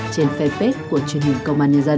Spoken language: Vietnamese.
trên facebook của truyền hình công an nhà dân